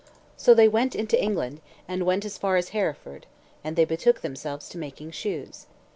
So they went into England, and went as far as Hereford; and they betook themselves to making shoes.